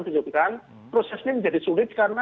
disubukan proses ini menjadi sulit karena